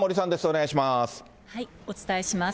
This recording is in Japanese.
お願いします。